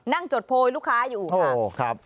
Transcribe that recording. นั่งจดโพยลูกค้าอยู่ครับ